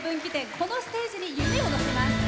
このステージに夢を乗せます。